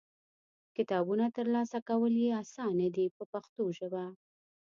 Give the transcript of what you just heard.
کتابونه ترلاسه کول یې اسانه دي په پښتو ژبه.